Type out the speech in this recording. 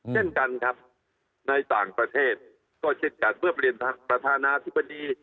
เช่นกันครับในต่างประเทศก็เช่นกันเมื่อเปลี่ยนประธานาธิบดี